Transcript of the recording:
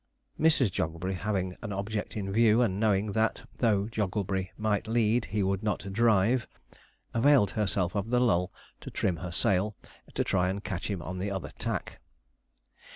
Mrs. Jogglebury having an object in view, and knowing that, though Jogglebury might lead, he would not drive, availed herself of the lull to trim her sail, to try and catch him on the other tack.